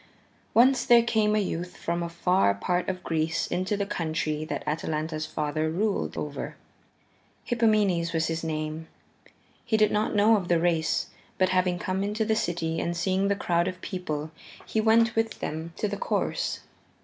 Once there came a youth from a far part of Greece into the country that Atalanta's father ruled over. Hippomenes was his name. He did not know of the race, but having come into the city and seeing the crowd of people, he went with them to the course.